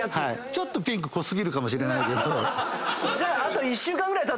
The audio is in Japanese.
ちょっとピンク濃過ぎるかもしれないけど。